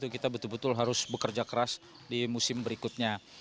kita betul betul harus bekerja keras di musim berikutnya